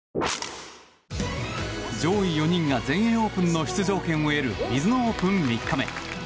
上位４人が全英オープンの出場権を得るミズノオープン、３日目。